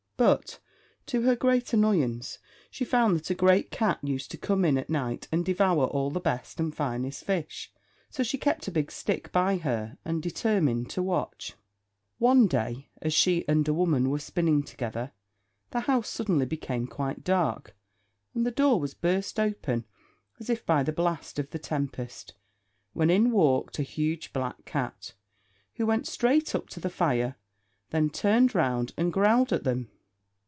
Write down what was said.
But, to her great annoyance, she found that a great cat used to come in at night and devour all the best and finest fish. So she kept a big stick by her, and determined to watch. One day, as she and a woman were spinning together, the house suddenly became quite dark; and the door was burst open as if by the blast of the tempest, when in walked a huge black cat, who went straight up to the fire, then turned round and growled at them.